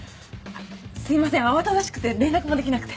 すいません慌ただしくて連絡もできなくて。